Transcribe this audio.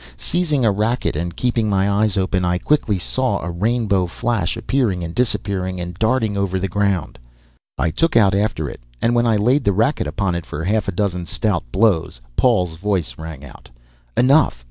Seizing a racquet and keeping my eyes open, I quickly saw a rainbow flash appearing and disappearing and darting over the ground. I took out after it, and when I laid the racquet upon it for a half dozen stout blows, Paul's voice rang out: "Enough!